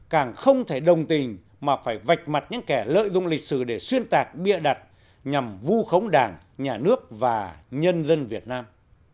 càng không thể đồng tình mà phải vạch mặt những kẻ lợi dụng lịch sử để xuyên tạc bịa đặt nhằm vu khống đảng nhà nước và nhân dân việt nam